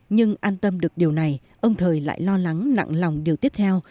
nhưng an tâm được điều này ông thời lại lo lắng nặng lòng điều tiếp theo